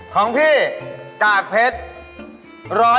ของพี่กากเพชร